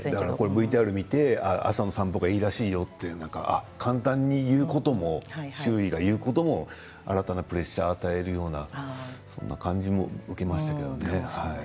ＶＴＲ見て朝の散歩がいいらしいよと簡単に言うことも周囲が言うことも新たなプレッシャーを与えるようなそんな感じも受けましたけどね。